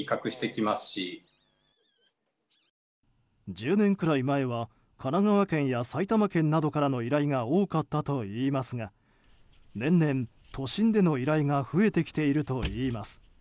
１０年くらい前は神奈川県や埼玉県などからの依頼が多かったといいますが年々、都心での依頼が増えてきているといいます。